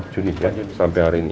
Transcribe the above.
empat juni sampai hari ini